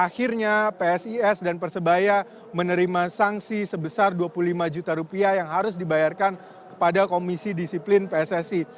dan akhirnya psis dan persebaya menerima sangsi sebesar dua puluh lima juta rupiah yang harus dibayarkan kepada komisi disiplin pssi